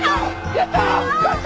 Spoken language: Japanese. やった！